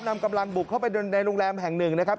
นำกำลังบุกเข้าไปในโรงแรมแห่งหนึ่งนะครับ